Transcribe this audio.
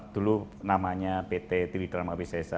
dulu namanya pt tridharma bcca